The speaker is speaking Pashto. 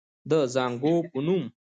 د زانګو پۀ نوم